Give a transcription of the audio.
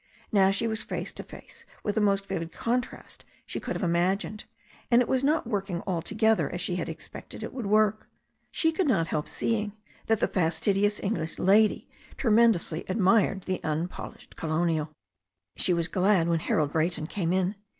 Now she was face to face with the most vivid contrast she could have imagined. And it was not working altogether as she had expected it would work. She could not help seeing that the fastidious English lady tremen dously admired the unpolished colonial. She was glad when Harold Brayton came in.